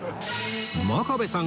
真壁さん